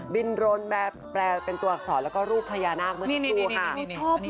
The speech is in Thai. โรนแปลเป็นตัวอักษรแล้วก็รูปพญานาคเมื่อสักครู่ค่ะ